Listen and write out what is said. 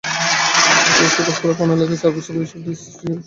তুরস্কের বসফরাস প্রণালিতে চার বছর বয়সী একটি সিরীয় শিশুর মৃতদেহ পাওয়া গেছে।